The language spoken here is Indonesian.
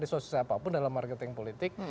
resources apapun dalam marketing politik